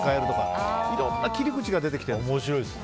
いろんな切り口が出てきてるんです。